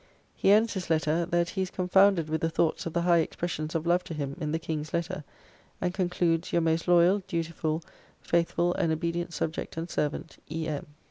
He ends his letter, that he is confounded with the thoughts of the high expressions of love to him in the King's letter, and concludes, "Your most loyall, dutifull, faithfull and obedient subject and servant, E. M."